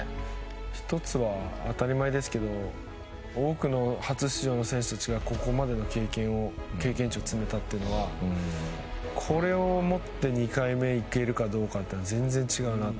１つは当たり前ですけど多くの初出場の選手たちがここまでの経験値を積めたというのはこれを持って２回目行けるかどうかというのは全然違うなと。